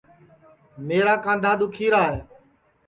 میرا کاںٚدھا دُؔکھی را ہے